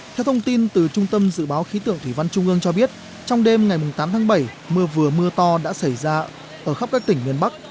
theo thông tin từ trung tâm dự báo khí tượng thủy văn trung ương cho biết trong đêm ngày tám tháng bảy mưa vừa mưa to đã xảy ra ở khắp các tỉnh miền bắc